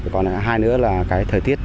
còn hai nữa là cái thời tiết